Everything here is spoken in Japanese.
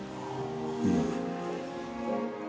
うん。